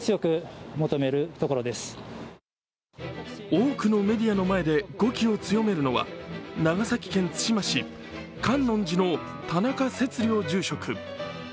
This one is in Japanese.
多くのメディアの前で語気を強めるのは長崎県対馬市、観音寺の田中節竜住職。